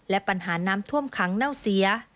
และปัญหาน้ำท่วมขังเน่าเสีย